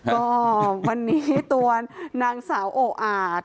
ก็วันนี้ตัวนางสาวโออาจ